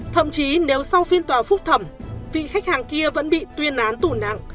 thậm chí nếu sau phiên tòa phúc thẩm vị khách hàng kia vẫn bị tuyên án tù nặng